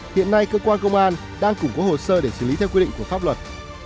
hiện nay cơ quan công an đang củng cố hồ sơ để xử lý theo quy định của pháp luật